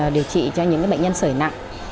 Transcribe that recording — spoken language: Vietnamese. điều trị cho những bệnh nhân sởi nặng